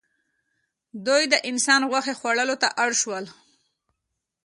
دوی د انسان غوښې خوړلو ته اړ شول.